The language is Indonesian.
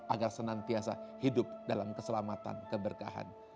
agar senantiasa hidup dalam keselamatan keberkahan